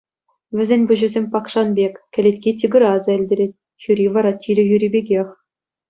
Вӗсен пуҫӗсем пакшан пек, кӗлетки тигра аса илтерет, хӳри вара тилӗ хӳри пекех.